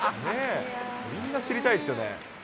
みんな知りたいですよね。